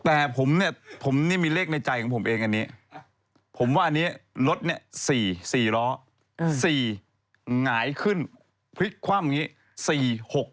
อืมแต่ผมเนี้ยมีเลขในใจของผมเองอันนี้ผมว่าอันนี้รถเนี้ย๔ร้อ๔หงายขึ้นพลิกคว่าแบบนี้๔๖๙